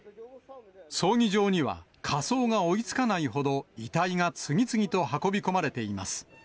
葬儀場には火葬が追いつかないほど、遺体が次々と運び込まれています。